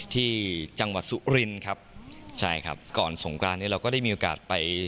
ที่จังหวัดสุรินครับใช่ครับก่อนสงกรานนี้เราก็ได้มีโอกาสไป